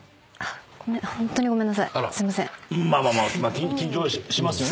緊張しますよね。